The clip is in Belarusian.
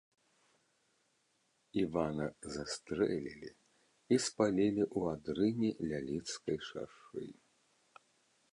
Івана застрэлілі і спалілі ў адрыне ля лідскай шашы.